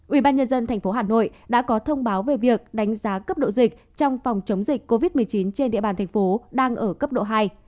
ubnd tp hà nội đã có thông báo về việc đánh giá cấp độ dịch trong phòng chống dịch covid một mươi chín trên địa bàn thành phố đang ở cấp độ hai